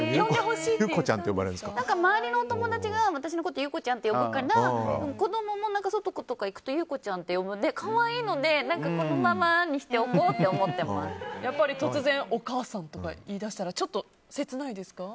周りのお友達が私のことを優子ちゃんと呼ぶから子供も外とかいうと優子ちゃんって言うので可愛いのでこのままにしておこうって突然、お母さんとか言い出したら切ないですか？